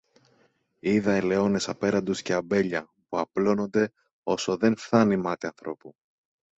είδα ελαιώνες απέραντους και αμπέλια, που απλώνονται όσο δε φθάνει μάτι ανθρώπου.